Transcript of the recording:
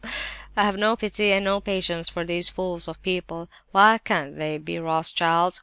I have no pity and no patience for these fools of people. Why can't they be Rothschilds?